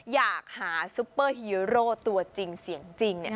อยากหาซุปเปอร์ฮีโร่ตัวจริงเสียงจริง